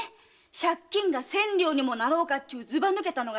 借金が千両にもなろうかというずば抜けたのが一人。